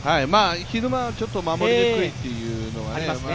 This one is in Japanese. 昼間、ちょっと守りにくいというのがありますよね。